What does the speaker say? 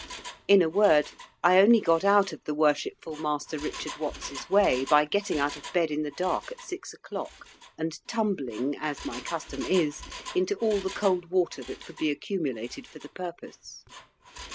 In a word, I only got out of the Worshipful Master Richard Watts's way by getting out of bed in the dark at six o'clock, and tumbling, as my custom is, into all the cold water that could be accumulated for the purpose.